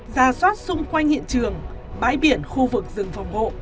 ra soát xung quanh hiện trường bãi biển khu vực rừng phòng hộ